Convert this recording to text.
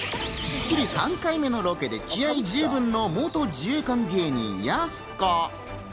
『スッキリ』３回目のロケで気合い十分の元自衛官芸人・やす子。